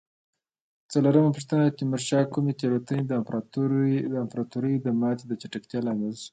څلورمه پوښتنه: د تیمورشاه کومې تېروتنه د امپراتورۍ د ماتې د چټکتیا لامل شوې؟